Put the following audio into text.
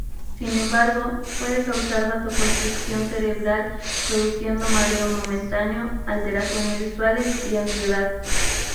Sin embargo, puede causar vasoconstricción cerebral, produciendo mareo momentáneo, alteraciones visuales y ansiedad.